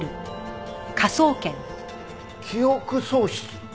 記憶喪失？